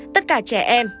tất cả trẻ em